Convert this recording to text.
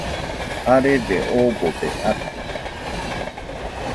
arebe oogobe atɨ